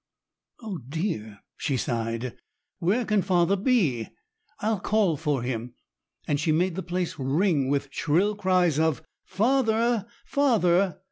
"Oh dear!" she sighed; "where can father be? I'll call for him." And she made the place ring with shrill cries of "Father! father!